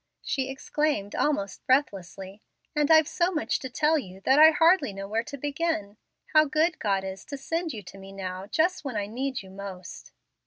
she exclaimed almost breathlessly; "and I've so much to tell you that I hardly know where to begin. How good God is to send you to me now, just when I need you most!"